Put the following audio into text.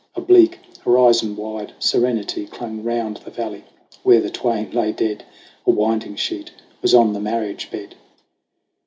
A bleak, horizon wide serenity Clung round the valley where the twain lay dead. A winding sheet was on the marriage bed.